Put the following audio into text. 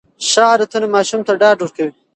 ښه عادتونه ماشوم ته ډاډ ورکوي.